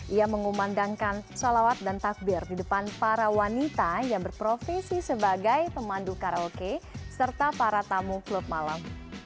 ia mengumandangkan salawat dan takbir di depan para wanita yang berprofesi sebagai pemandu karaoke serta para tamu klub malam